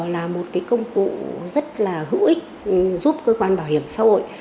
là một công cụ rất là hữu ích giúp cơ quan bảo hiểm xã hội